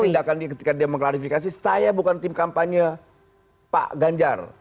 jadi tidak akan diketika dia mengarifikasi saya bukan tim kampanye pak ganjar